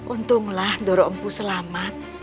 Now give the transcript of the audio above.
untunglah doro empu selamat